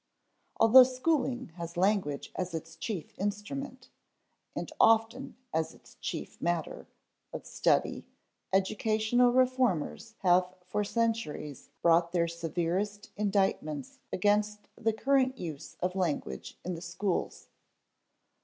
Although schooling has language as its chief instrument (and often as its chief matter) of study, educational reformers have for centuries brought their severest indictments against the current use of language in the schools.